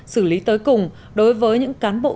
xử lý tới cùng đối với những cán bộ